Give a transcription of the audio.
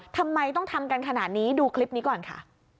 ทำไมต้องทำกันขนาดนี้ดูคลิปนี้ก่อนค่ะ